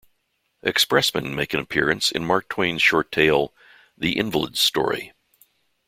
Expressmen make an appearance in Mark Twain's short tale, The Invalid's Story.